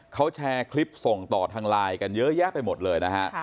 เขาแชร์คลิปส่งต่อทางไลน์กันเยอะแยะไปหมดเลยนะฮะ